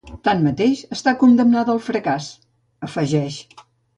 Tanmateix, està condemnada al fracàs, afegeix.